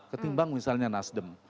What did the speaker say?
ketimbang misalnya nasdem